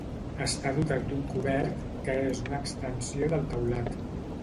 Està dotat d'un cobert que és una extensió del teulat.